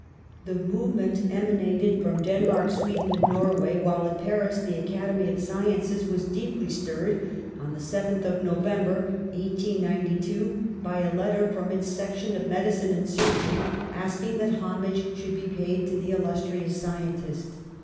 The movement emanated from Denmark, Sweden and Norway, while at Paris the Academy of Sciences was deeply stirred, on the 7th of November, 1892, by a let ter from its section of medicine and surgery, asking that homage should be paid to the illus trious scientist.